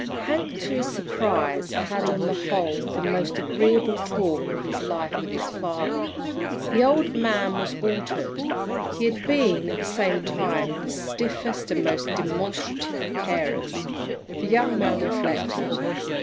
Hank, to his surprise, had, on the whole, the most agreeable talk of his life with his father. The old man was altered. He had been, at the same time, the stiffest and the most demonstrative of parents, the young man reflected.